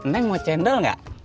neng mau cendal gak